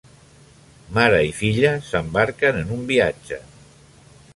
Mare i filla s'embarquen en un viatge.